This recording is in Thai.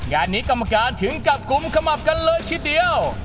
งานนี้กรรมการถึงกับกุมขมับกันเลยทีเดียว